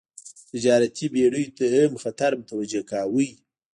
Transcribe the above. تجارتي بېړیو ته هم خطر متوجه کاوه.